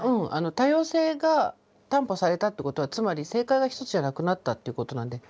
多様性が担保されたってことはつまり正解が一つじゃなくなったっていうことなんで。